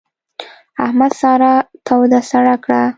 احمد سارا توده سړه کړه.